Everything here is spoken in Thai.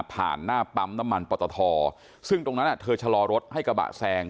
หน้าปั๊มน้ำมันปตทซึ่งตรงนั้นเธอชะลอรถให้กระบะแซง